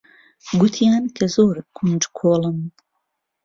گوتیان کە زۆر کونجکۆڵن.